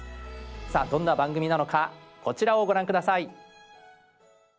さあどんな番組なのかこちらをご覧下さい。